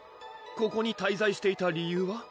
ここに滞在していた理由は？